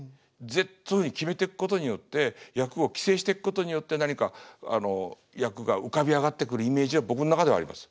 そういうふうに決めていくことによって役を規制していくことによって何か役が浮かび上がってくるイメージは僕ん中ではあります。